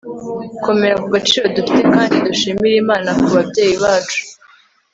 Komera ku gaciro dufite kandi dushimire Imana kubabyeyi bacu